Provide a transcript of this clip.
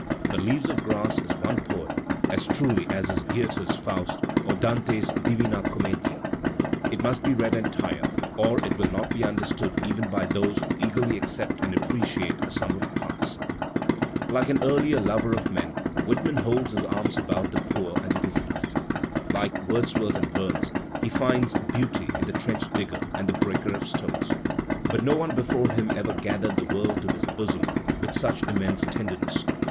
But "Leaves of Grass'* is one poem, as truly as is Groethe's "Faust" or Dante's Dwina Commedia. It must be read entire, or it will not be understood even by those who eagerly accept and appi^iate some of the parts. Digitized by Google WHITMAN 221 Like an earlier lover of men, Whitman holds his arms about the poor and the diseased; like Wordsworth and Burns he finds beauty in the trench digger and the breaker of stones. But no one before him ever gathered the world to his bosom with such inunense tenderness.